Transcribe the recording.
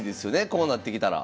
こうなってきたら。